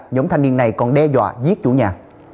nhóm thanh niên này còn đe dọa giết chủ nhà